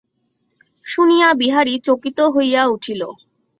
শুনিয়া বিহারী চকিত হইয়া উঠিল।